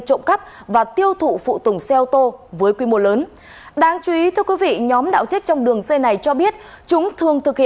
tôi áp sát và tôi lấy chiếc lương